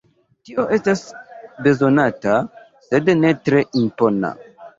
Tio estas bezonata, sed ne tre impona.